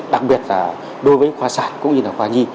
đặc biệt là đối với khoa sản cũng như là khoa nhi